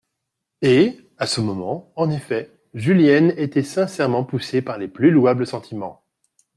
Et, à ce moment, en effet, Julienne était sincèrement poussée par les plus louables sentiments.